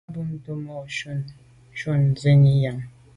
A bumte boa shunshun sènni yàme.